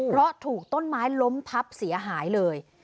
เพราะถูกต้นไม้ล้มทับเสียหายเลย